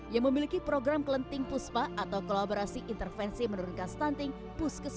yang memiliki program kelenting puspa atau kolaborasi intervensi menurunkan stunting puskesmas